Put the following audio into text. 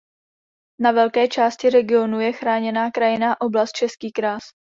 Na velké části regionu je Chráněná krajinná oblast Český kras.